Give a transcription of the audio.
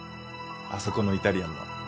あそこのイタリアンの。